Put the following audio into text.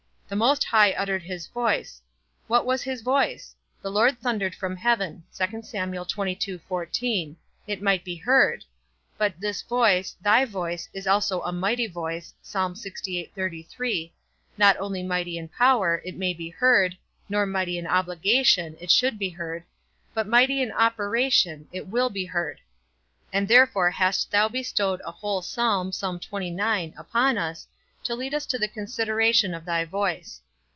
The Most High uttered his voice. What was his voice? The Lord thundered from heaven, it might be heard; but this voice, thy voice, is also a mighty voice; not only mighty in power, it may be heard, nor mighty in obligation, it should be heard; but mighty in operation, it will be heard; and therefore hast thou bestowed a whole psalm upon us, to lead us to the consideration of thy voice.